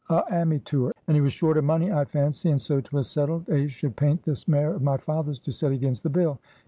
"A ammytoor. And he was short of money, I fancy, and so 'twas settled a should paint this mare of my father's to set against the bill.